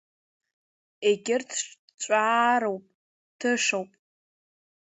Егьырҭ ҿцәаарауп, ҭышоуп.